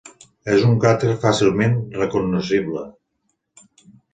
És un cràter fàcilment recognoscible.